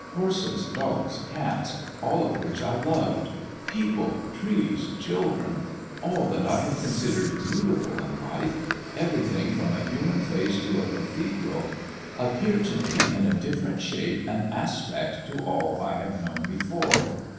Horses, dogs, cats, all of which I loved; people, trees, children; all that I have considered beautiful in life everything, from a human face to a cathedral appear to me in a different shape and aspect to all I have known before.